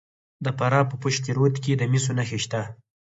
د فراه په پشت رود کې د مسو نښې شته.